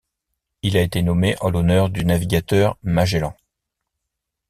Il a été nommé en l'honneur du navigateur Magellan.